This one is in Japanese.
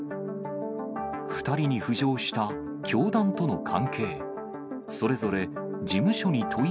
２人に浮上した教団との関係。